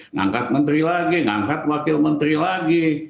ngangkat menteri lagi ngangkat wakil menteri lagi